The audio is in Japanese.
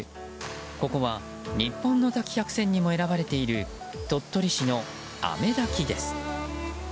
ここは、日本の滝百選にも選ばれている鳥取市の雨滝です。